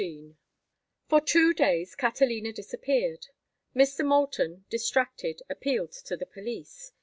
XV For two days Catalina disappeared. Mr. Moulton, distracted, appealed to the police.